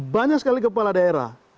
banyak sekali kepala daerah